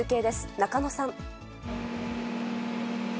中野さん。